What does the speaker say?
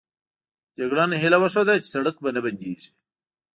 جګړن هیله وښوده چې سړک به نه بندېږي.